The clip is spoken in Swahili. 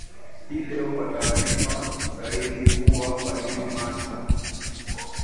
hii leo kwa taarifa zaidi huu hapa liz masa